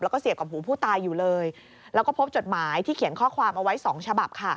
แล้วก็เสียบกับหูผู้ตายอยู่เลยแล้วก็พบจดหมายที่เขียนข้อความเอาไว้สองฉบับค่ะ